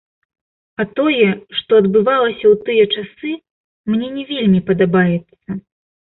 А тое, што адбывалася ў тыя часы, мне не вельмі падабаецца.